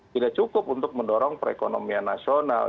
tidak cukup untuk mendorong perekonomian nasional